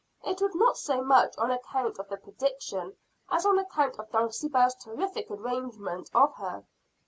It was not so much on account of the prediction, as on account of Dulcibel's terrific arraignment of her.